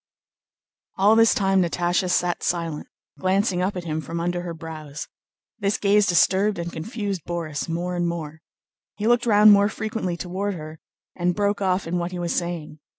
All this time Natásha sat silent, glancing up at him from under her brows. This gaze disturbed and confused Borís more and more. He looked round more frequently toward her, and broke off in what he was saying.